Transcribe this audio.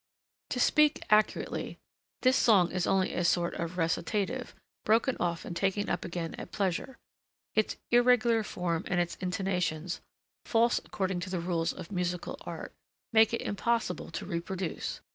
To speak accurately, this song is only a sort of recitative, broken off and taken up again at pleasure. Its irregular form and its intonations, false according to the rules of musical art, make it impossible to reproduce.